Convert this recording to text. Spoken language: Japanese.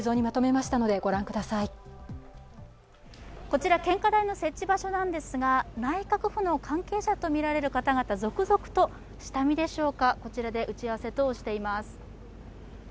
こちら、献花台の設置場所なんですが内閣府の関係者とみられる方々続々と下見でしょうか、こちらで打ち合わせ等をしています。